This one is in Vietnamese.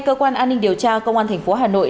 cơ quan an ninh điều tra công an tp hà nội